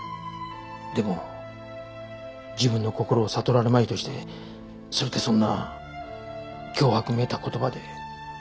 でも自分の心を悟られまいとしてそれでそんな脅迫めいた言葉で。